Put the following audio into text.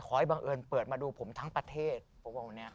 ขอให้บังเอิญเปิดมาดูผมทั้งประเทศพวกผมเนี่ย